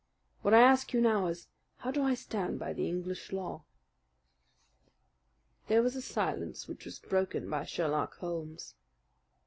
What I ask you now is how do I stand by the English law?" There was a silence which was broken by Sherlock Holmes.